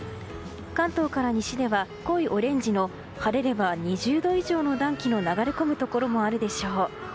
関東から西では、濃いオレンジの晴れれば２０度以上の暖気の流れ込むところがあるでしょう。